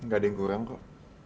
gak ada yang kurang kok